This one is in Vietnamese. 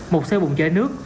một xe bùng cháy nước